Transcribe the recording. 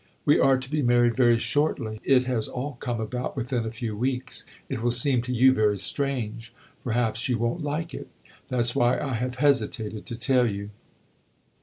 "We are to be married very shortly. It has all come about within a few weeks. It will seem to you very strange perhaps you won't like it. That 's why I have hesitated to tell you."